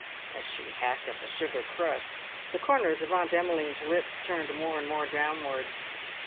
As she hacked at the sugar crust, the corners of Aunt Emmeline's lips turned more and more downward.